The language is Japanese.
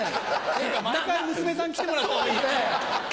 毎回娘さん来てもらった方がいい。